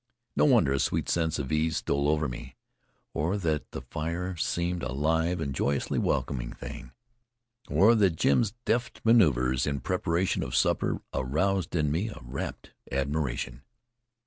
No wonder a sweet sense of ease stole over me, or that the fire seemed a live and joyously welcoming thing, or that Jim's deft maneuvers in preparation of supper roused in me a rapt admiration.